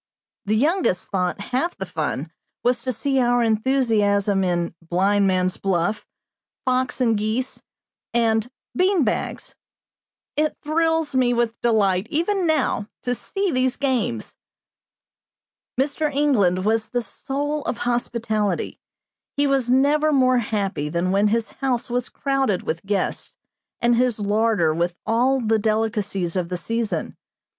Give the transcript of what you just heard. The youngest thought half the fun was to see our enthusiasm in "blindman's buff," "fox and geese," and "bean bags." It thrills me with delight, even now, to see these games! Mr. England was the soul of hospitality. He was never more happy than when his house was crowded with guests, and his larder with all the delicacies of the season.